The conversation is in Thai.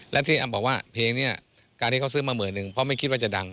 และที่แอมบอกว่าเพลงนี้การที่เขาซื้อมาหมื่นหนึ่งเพราะไม่คิดว่าจะดัง